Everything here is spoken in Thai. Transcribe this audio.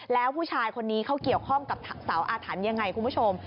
แล้วผู้ชายคนนี้เขาเกี่ยวข้องกับเสาอาถรรพ์ยังไงคุณผู้ชม